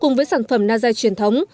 cùng với sản phẩm na dai truyền thống